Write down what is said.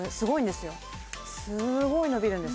すごい伸びるんですよ